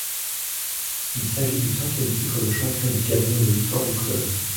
Il s’agit du cinquième titre de champion du Gabon de l’histoire du club.